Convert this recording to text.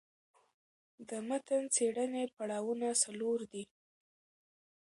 د متن څېړني پړاوونه څلور دي.